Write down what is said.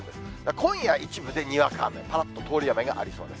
今夜、一部でにわか雨、ぱらっと通り雨がありそうです。